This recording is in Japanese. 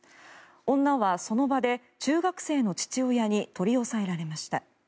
女はその場で中学生の父親に取り押さえられました。